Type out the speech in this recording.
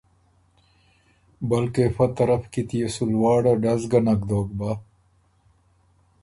بلکې فۀ طرف کی تيې سو لواړه ډز ګه نک دوک بَۀ